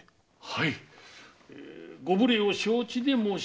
はい「ご無礼を承知で申し上げます」